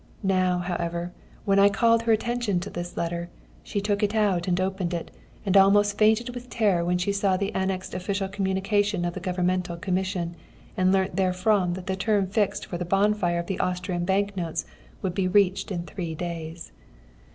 Now, however, when I called her attention to this letter, she took it out and opened it, and almost fainted with terror when she saw the annexed official communication of the Governmental Commission, and learnt therefrom that the term fixed for the bonfire of the Austrian bank notes would be reached in three days.